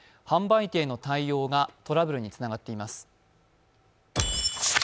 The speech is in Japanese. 販売店の対応がトラブルにつながっています。